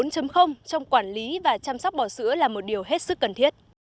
trong quản lý và chăm sóc bò sữa là một điều hết sức cần thiết